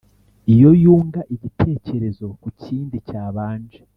iyo yunga igitekerezo ku kindi cyabanje,